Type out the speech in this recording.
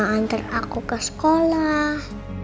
nganter aku ke sekolah